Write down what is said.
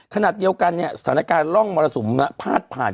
ขณะเดียวกันเนี่ยสถานการณ์ร่องมรสุมพาดผ่าน